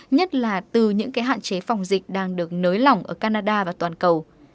nhất là từ những hạn chế phòng dịch đang được nới lỏng ở canada và toàn cầu